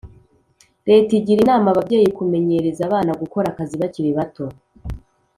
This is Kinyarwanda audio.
leta igira inama ababyeyi kumenyereza abana gukora akazi bakiri bato